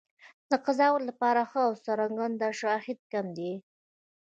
د قضاوت لپاره ښه او څرګند شواهد کم دي.